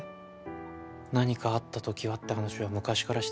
何かあった時はって話は昔からしてたからなあ